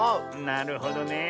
なるほどねえ。